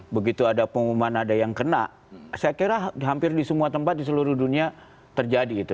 begitu ada pengumuman ada yang kena saya kira hampir di semua tempat di seluruh dunia terjadi gitu